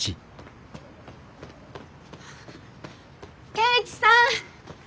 圭一さん。